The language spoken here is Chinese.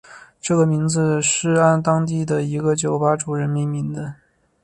这个名字是按当地的一个酒吧主人命名的。